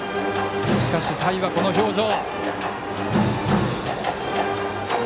しかし、田井はこの表情。